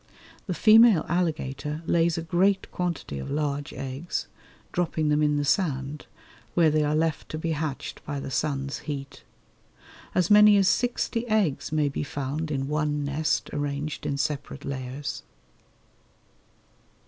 The female alligator lays a great quantity of large eggs, dropping them in the sand, where they are left to be hatched by the sun's heat. As many as sixty eggs may be found in one nest arranged in separate layers.